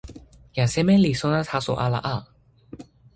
jan seme li sona taso ala a?